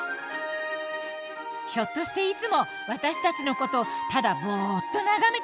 ひょっとしていつも私たちのことをただボッと眺めてません？